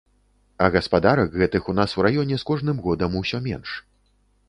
А гаспадарак гэтых у нас у раёне з кожным годам усё менш.